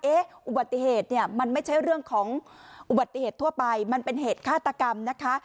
อุบัติเหตุเนี่ยมันไม่ใช่เรื่องของอุบัติเหตุทั่วไปมันเป็นเหตุฆาตกรรมนะคะ